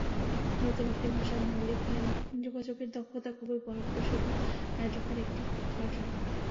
নতুন একটি ভাষায় মৌলিক যোগাযোগের দক্ষতা খুবই ফলপ্রসূ এবং কার্যকর একটি অর্জন।